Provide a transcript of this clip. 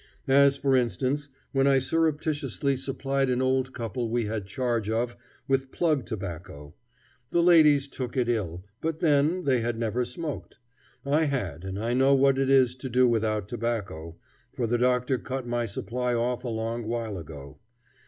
As, for instance, when I surreptitiously supplied an old couple we had charge of with plug tobacco. The ladies took it ill, but, then, they had never smoked. I had, and I know what it is to do without tobacco, for the doctor cut my supply off a long while ago.